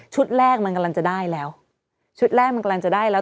แรกมันกำลังจะได้แล้วชุดแรกมันกำลังจะได้แล้ว